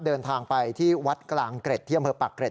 เดินทางไปที่วัดกลางเกร็ดที่อำเภอปากเกร็